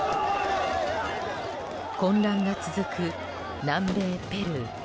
混乱が続く南米ペルー。